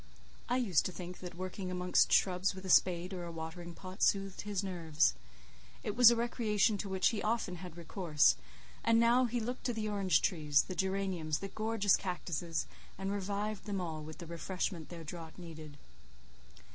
I used to think that working amongst shrubs with a spade or a watering pot soothed his nerves; it was a recreation to which he often had recourse; and now he looked to the orange trees, the geraniums, the gorgeous cactuses, and revived them all with the refreshment their drought needed.